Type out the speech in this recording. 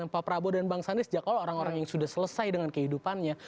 pak prabowo dan bang sandi sejak awal orang orang yang sudah selesai dengan kehidupannya